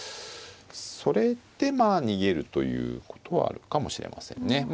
それでまあ逃げるということはあるかもしれませんね。